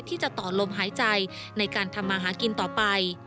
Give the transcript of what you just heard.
ที่จะต่อลมหายใจในการทำมาหากินต่อไป